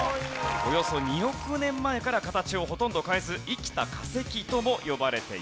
およそ２億年前から形をほとんど変えず生きた化石とも呼ばれています。